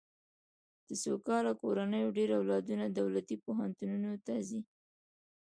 د سوکاله کورنیو ډېر اولادونه دولتي پوهنتونونو ته ځي.